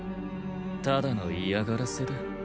ただの嫌がらせだ。